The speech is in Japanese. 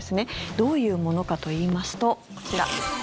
どういうものかといいますとこちら。